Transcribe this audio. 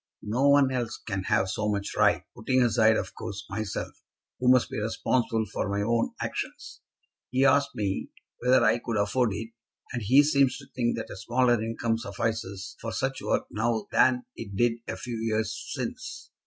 "No one else can have so much right, putting aside of course myself, who must be responsible for my own actions. He asked me whether I could afford it, and he seems to think that a smaller income suffices for such work now than it did a few years since.